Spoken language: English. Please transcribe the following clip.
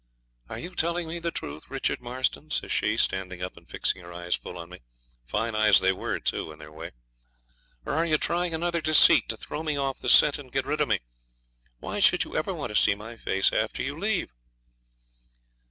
'Are you telling me the truth, Richard Marston?' says she, standing up and fixing her eyes full on me fine eyes they were, too, in their way; 'or are you trying another deceit, to throw me off the scent and get rid of me? Why should you ever want to see my face after you leave?'